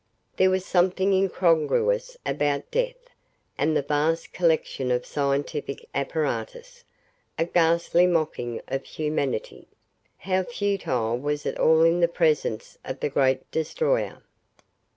There was something incongruous about death and the vast collection of scientific apparatus, a ghastly mocking of humanity. How futile was it all in the presence of the great destroyer?